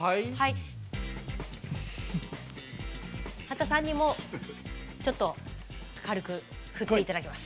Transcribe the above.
刄田さんにもちょっと軽く振って頂きます。